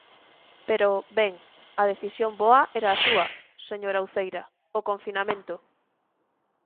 Pero, ben, a decisión boa era a súa, señora Uceira: o confinamento.